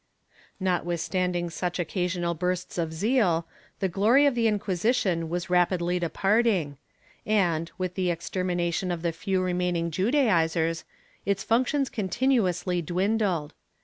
^ Notwithstanding such occasional bursts of zeal, the glory of the Inquisition was rapidly departing and, with the extermination of the few remaining Judaizers, its functions continuously dwindled.